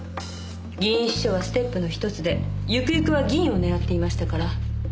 議員秘書はステップの１つでゆくゆくは議員を狙っていましたから。